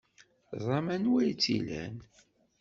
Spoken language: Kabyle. Ẓran anwa ay tt-ilan.